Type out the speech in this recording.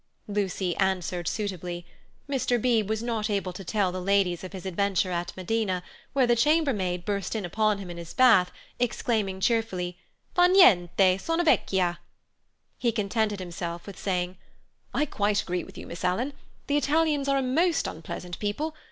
Lucy answered suitably. Mr. Beebe was not able to tell the ladies of his adventure at Modena, where the chambermaid burst in upon him in his bath, exclaiming cheerfully, "Fa niente, sono vecchia." He contented himself with saying: "I quite agree with you, Miss Alan. The Italians are a most unpleasant people.